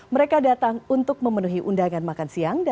mereka datang untuk memenuhi undangan makan siang